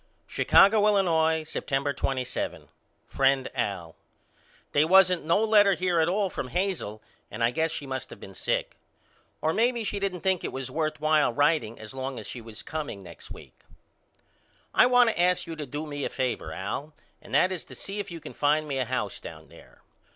Chicago, Illinois, September 27. FRIEND AL: They wasn't no letter here at all from Hazel and I guess she must of been sick. Or maybe she didn't think it was worth while writeing as long as she is comeing next week. I want to ask you to do me a favor Al and that is to see if you can find me a house down there.